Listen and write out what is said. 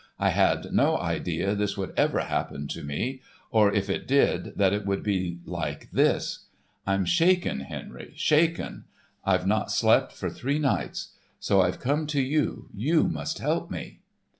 I had no idea this would ever happen to me; or if it did, that it would be like this. I'm shaken, Henry, shaken. I've not slept for three nights. So I've come to you. You must help me."